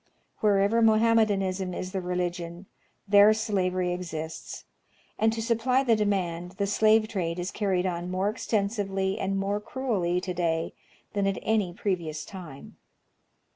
Wherever Mohammedanism is the religion, there slavery exists ; and to supply the demand the slave trade is carried on more extensively and more cruelly to day than at any previous time.